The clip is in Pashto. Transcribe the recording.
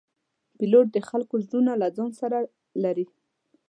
پیلوټ د خلکو زړونه له ځان سره لري.